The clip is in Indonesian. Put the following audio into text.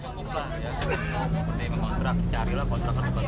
seperti memang terakhir carilah kontrakan tempat lain